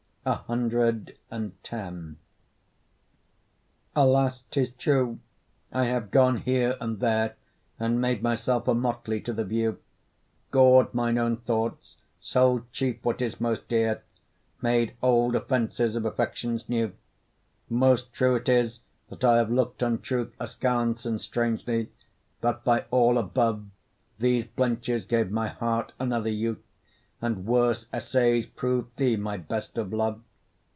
CX Alas! 'tis true, I have gone here and there, And made my self a motley to the view, Gor'd mine own thoughts, sold cheap what is most dear, Made old offences of affections new; Most true it is, that I have look'd on truth Askance and strangely; but, by all above, These blenches gave my heart another youth, And worse essays prov'd thee my best of love.